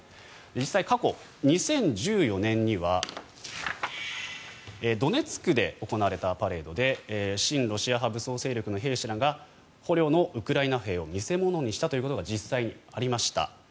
実際、過去２０１４年にはドネツクで行われたパレードで親ロシア派武装勢力の兵士らが捕虜のウクライナ兵を見せ物にしたということが実際にありました。